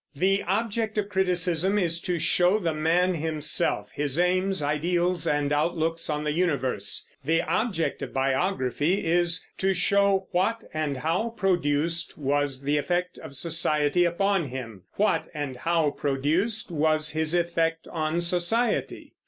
The object of criticism is to show the man himself, his aims, ideals, and outlook on the universe; the object of biography is "to show what and how produced was the effect of society upon him; what and how produced was his effect on society."